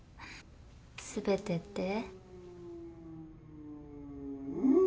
全てって？